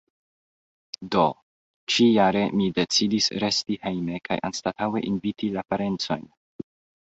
Do, ĉi-jare mi decidis resti hejme kaj anstataŭe inviti la parencojn.